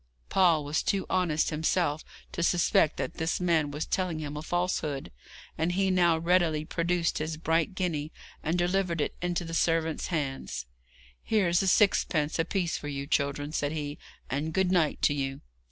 Paul was too honest himself to suspect that this man was telling him a falsehood, and he now readily produced his bright guinea, and delivered it into the servant's hands. 'Here's a sixpence apiece for you, children,' said he, 'and good night to you.'